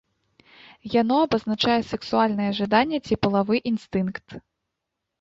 Яно абазначае сэксуальнае жаданне ці палавы інстынкт.